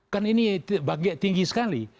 kan ini tinggi sekali